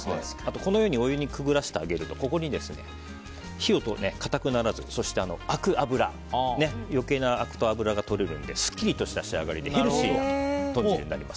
このようにお湯にくぐらせてあげると硬くならずそして余計なアクと脂がとれるのですっきりとした仕上がりでヘルシーな豚汁になります。